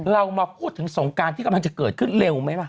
เรามาพูดถึงสงการที่กำลังจะเกิดขึ้นเร็วไหมล่ะ